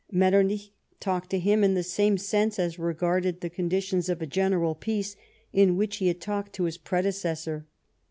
Metter nich talked to him in the same sense as regarded the conditions of a general peace in which he had talked ta his predecessor.